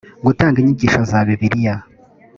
gutanga inyigisho za bibiliya